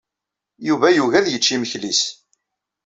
Yuba yugi ad yečč imekli-ines.